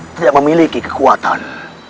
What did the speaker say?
tidak memiliki kekuatan